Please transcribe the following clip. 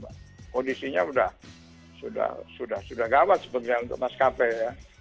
kondisinya sudah gawat sebetulnya untuk maskapai ya